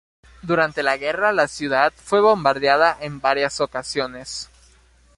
Durante la guerra la ciudad fue bombardeada en varias ocasiones.